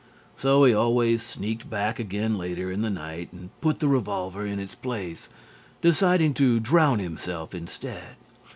So he always sneaked back again later in the night and put the revolver in its place, deciding to drown himself instead.